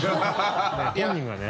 本人がね。